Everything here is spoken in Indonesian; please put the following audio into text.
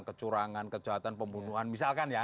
kecurangan kejahatan pembunuhan misalkan ya